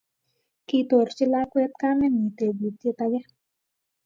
Kitorchi lakwet kamenyi tebutiet age